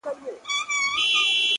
څه عجيبه شان سيتار کي يې ويده کړم;